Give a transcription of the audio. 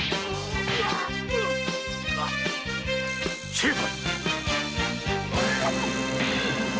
成敗！